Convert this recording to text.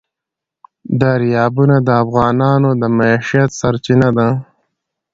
دریابونه د افغانانو د معیشت سرچینه ده.